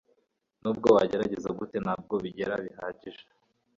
nubwo wagerageza gute, ntabwo bigera bihagije